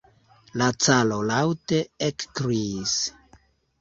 La caro laŭte ekkriis.